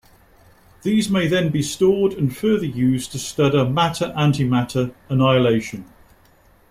These may then be stored and further used to study matter-antimatter annihilation.